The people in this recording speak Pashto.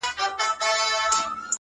نور دي دسترگو په كتاب كي،